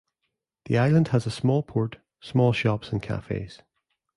The island has a small port, small shops and cafes.